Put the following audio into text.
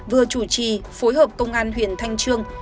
vừa chủ trì phối hợp công an huyện thanh trương